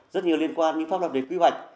rất nhiều liên quan đến pháp luật về quy hoạch